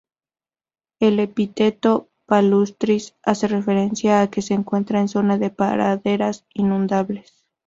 El epíteto "palustris" hace referencia a que se encuentra en zona de praderas inundables.